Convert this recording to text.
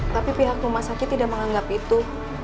tapi pihak rumah sakit tidak menganggap itu